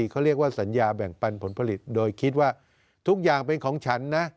เขาเรียกว่าสัญญาแบ่งปันผลผลิตโดยคิดว่าทุกอย่างเป็นของฉันนะ